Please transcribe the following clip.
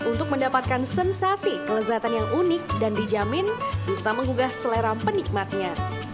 untuk mendapatkan sensasi kelezatan yang unik dan dijamin bisa menggugah selera penikmatnya